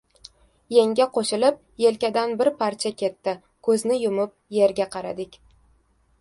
Yengga qoʻshilib, yelkadanam bir parcha ketdi – koʻzni yumib, yerga qaradik.